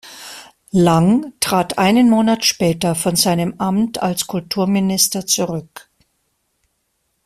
Lang trat einen Monat später von seinem Amt als Kulturminister zurück.